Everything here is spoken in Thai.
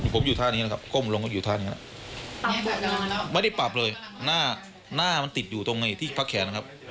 ผมอยู่ท่านี้นะครับก้มลงก็อยู่ท่านี้นะ